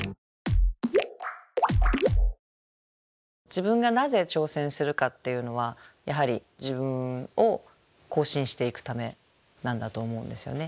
自分がなぜ挑戦するかっていうのはやはり自分を更新していくためなんだと思うんですよね。